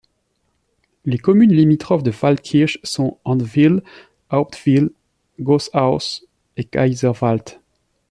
Les communes limitrophes de Waldkirch sont Andwil, Hauptwil-Gooshaus et Gaiserwald.